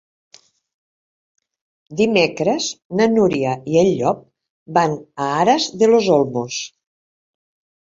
Dimecres na Núria i en Llop van a Aras de los Olmos.